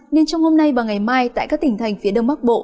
nên trong hôm nay và ngày mai tại các tỉnh thành phía đông bắc bộ